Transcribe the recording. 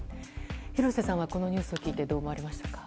廣瀬さんはこのニュースを聞いてどう思われましたか。